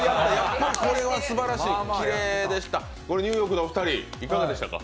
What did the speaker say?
これはすばらしい、ニューヨークのお二人、いかがでしたか。